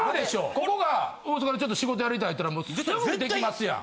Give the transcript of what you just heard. ここが大阪でちょっと仕事やりたいって言ったらすぐに出来ますやん。